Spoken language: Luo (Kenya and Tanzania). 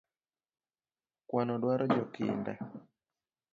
Kwano duaro jakinda